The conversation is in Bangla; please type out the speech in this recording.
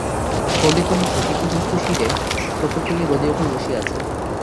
পণ্ডিতমহাশয় টিকিযুক্ত শিরে টোপর পরিয়া গদির উপর বসিয়া আছেন।